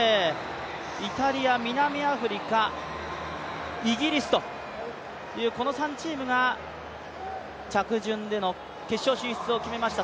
イタリア、南アフリカ、イギリスと、この３チームが着順での決勝進出を決めました。